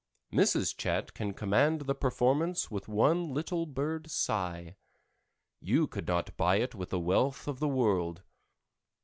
Mrs. Chat can command the performance with one little bird sigh. You could not buy it with the wealth of the world.